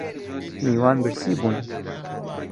میوان برسی بوون